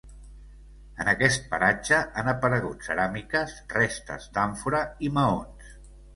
En aquest paratge han aparegut ceràmiques, restes d'àmfora i maons.